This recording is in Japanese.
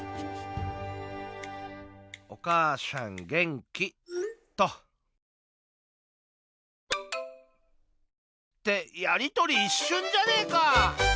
「お母さん元気？」っと。ってやり取りいっしゅんじゃねえか。